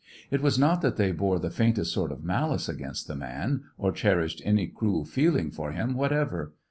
It was not that they bore the faintest sort of malice against the man, or cherished any cruel feeling for him whatever.